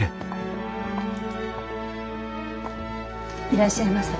いらっしゃいませ。